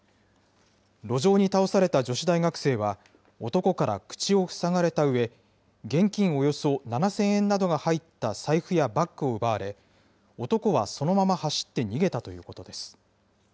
路上に倒された女子大学生は、男から口を塞がれたうえ、現金およそ７０００円などが入った財布やバッグを奪われ、男はそのまま走って逃げたということです。